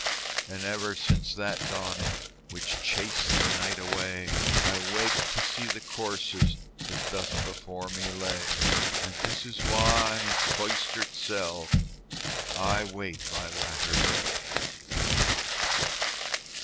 And ever since that dawning Which chased the night away, I wake to see the corses That thus before me lay: And this is why in cloistered cell I wait my latter day.